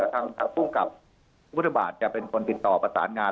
ทางผู้กับพุทธบาทจะเป็นคนติดต่อประสานงาน